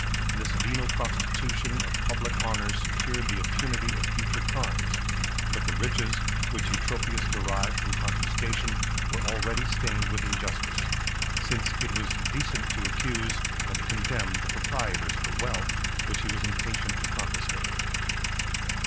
This venal prostitution of public honors secured the impunity of future crimes; but the riches, which Eutropius derived from confiscation, were already stained with injustice; since it was decent to accuse, and to condemn, the proprietors of the wealth, which he was impatient to confiscate.